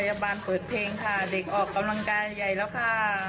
พยาบาลเปิดเพลงค่ะเด็กออกกำลังกายใหญ่แล้วค่ะ